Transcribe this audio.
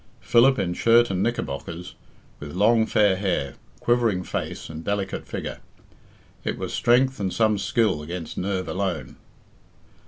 Philip in shirt and knickerbockers, with long fair hair, quivering face, and delicate figure. It was strength and some skill against nerve alone.